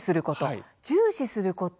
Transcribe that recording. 重視すること。